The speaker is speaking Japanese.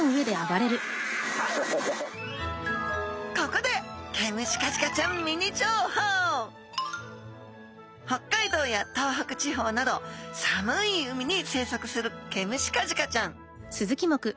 ここで北海道や東北地方など寒い海に生息するケムシカジカちゃん。